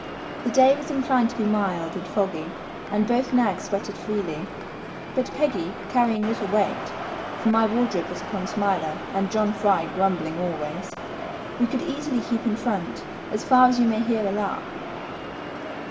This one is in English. The day was inclined to be mild and foggy, and both nags sweated freely; but Peggy carrying little weight (for my wardrobe was upon Smiler, and John Fry grumbling always), we could easily keep in front, as far as you may hear a laugh.